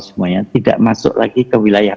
semuanya tidak masuk lagi ke wilayah